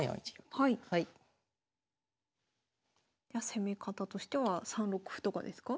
攻め方としては３六歩とかですか？